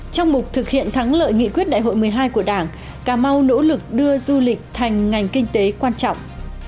trong mục thực hiện thắng lợi nghị quyết đại hội một mươi hai của đảng cà mau nỗ lực đưa du lịch thành ngành kinh tế quan trọng